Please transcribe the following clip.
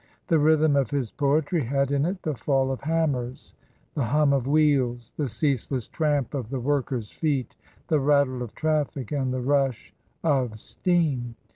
The rhythm of his poetry had in it the fall of hammers, the hum of wheels, the ceaseless tramp of the workers' feet, the rattle of traffic, and the rush of steam.